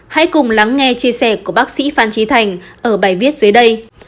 hãy cùng lắng nghe chia sẻ của bác sĩ phan trí thành ở bài viết dưới đây